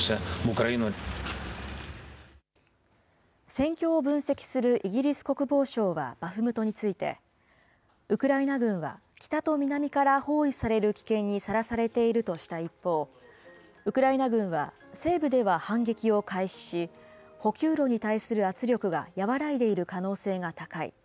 戦況を分析するイギリス国防省はバフムトについて、ウクライナ軍は北と南から包囲される危険にさらされているとした一方、ウクライナ軍は西部では反撃を開始し、補給路に対する圧力が和らいでいる可能性が高い。